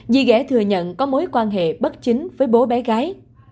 dì ghẻ thừa nhận có mối quan hệ bất chính với bố bé gái